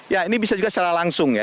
ya ini bisa juga secara langsung ya